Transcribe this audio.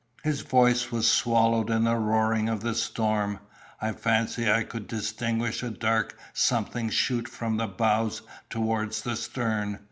His voice was swallowed in the roaring of the storm. I fancied I could distinguish a dark something shoot from the bows towards the stern.